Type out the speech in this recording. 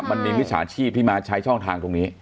มิจฉาชีพที่มาใช้ช่องทางตรงนี้